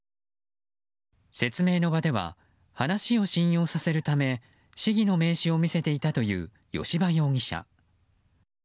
説明の場では話を信用させるため市議の名刺を見せていたという吉羽容疑者。